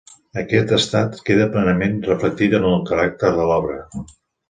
Aquest estat queda plenament reflectit en el caràcter de l'obra.